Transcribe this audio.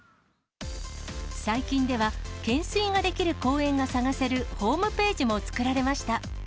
最近では、懸垂ができる公園が探せるホームページも作られました。